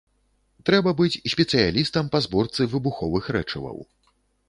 Трэба быць спецыялістам па зборцы выбуховых рэчываў.